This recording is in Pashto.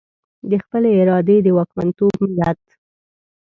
د خپلې ارادې د واکمنتوب ملت.